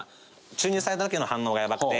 注入された時の反応がヤバくて。